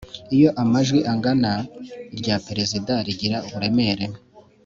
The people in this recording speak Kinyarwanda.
Iyo amajwi angana irya perezida rigira uburemere